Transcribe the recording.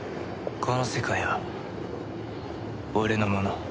この世界は俺のもの。